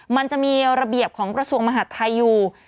มันจะมีระเบียบของกระทรวงมหาดไทยอยู่